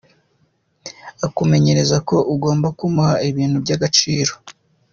Akumenyereza ko ugomba kumuha ibintu by’agaciro.